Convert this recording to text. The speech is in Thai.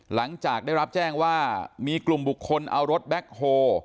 หลังจากได้รับแจ้งว่ามีกลุ่มบุคคลเอารถแบ็คโฮ